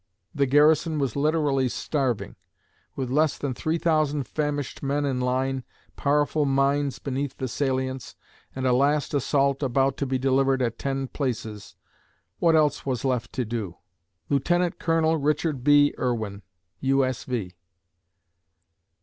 The garrison was literally starving. With less than 3000 famished men in line, powerful mines beneath the salients, and a last assault about to be delivered at 10 places, what else was left to do? LIEUT. COL. RICHARD B. IRWIN, U. S. V.